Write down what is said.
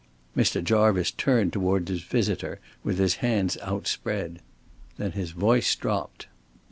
Mr. Jarvice turned toward his visitor with his hands outspread. Then his voice dropped.